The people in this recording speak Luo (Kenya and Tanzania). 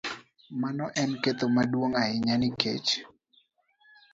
Mano en ketho maduong' ahinya nikech